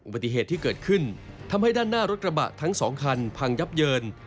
ปฏิเหตุที่เกิดขึ้นทำให้ด้านหน้ารถกระบะทั้งสองคันพังยับเยิน